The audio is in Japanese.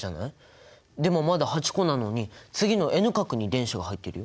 でもまだ８個なのに次のＮ殻に電子が入ってるよ。